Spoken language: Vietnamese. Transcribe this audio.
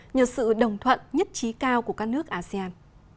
nhờ sự đồng thuận nhất trí cao của các nước asean